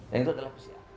dan itu adalah pesan